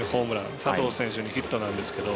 佐藤選手にヒットなんですけど。